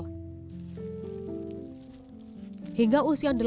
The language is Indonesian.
zarian selalu mengutamakan keperluan april